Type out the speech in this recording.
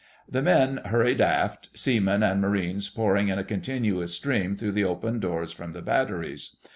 The men hurried aft, seamen and marines pouring in a continuous stream through the open doors from the batteries.